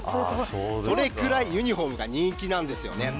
それぐらいユニホームが人気なんですよね。